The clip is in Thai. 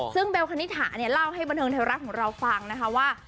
ซึ่งเบลคณิตถาเนี่ยเล่าให้บันเทิงไทยรัฐของเราฟังนะคะว่า